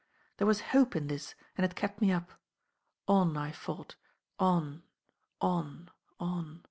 There was hope in this and it kept me up. On I fought on on on.